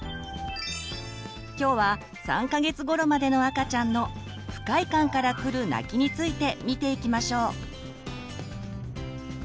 今日は３か月ごろまでの赤ちゃんの「不快感からくる泣き」について見ていきましょう。